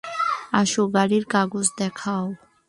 আসো, গাড়ির কাগজ দেখাও।